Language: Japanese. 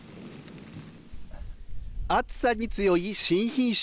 暑さに強い新品種、